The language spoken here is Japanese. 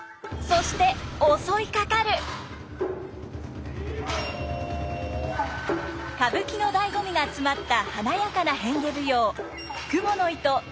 そして歌舞伎の醍醐味が詰まった華やかな変化舞踊